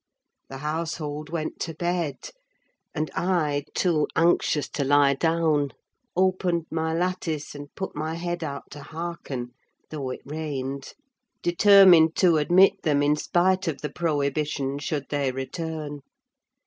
The household went to bed; and I, too anxious to lie down, opened my lattice and put my head out to hearken, though it rained: determined to admit them in spite of the prohibition, should they return.